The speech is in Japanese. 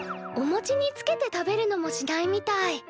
おもちにつけて食べるのもしないみたい。